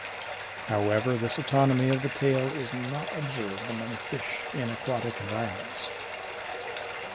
However, this autotomy of the tail is not observed among fish in aquatic environments.